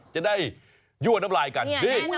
จะได้ยั่วน้ำลายกันนี่